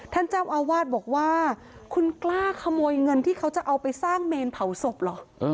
ท่านเจ้าอาวาสบอกว่าคุณกล้าขโมยเงินที่เขาจะเอาไปสร้างเมนเผาศพเหรอ